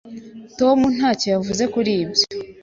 Tom ntacyo yavuze kuri ibyo.